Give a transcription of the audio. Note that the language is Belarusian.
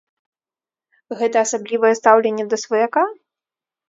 Гэта асаблівае стаўленне да сваяка?